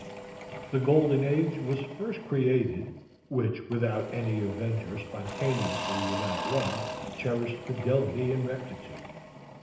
"The Golden Age was first created, which without any avenger Spontaneously without law cherished fidelity and rectitude.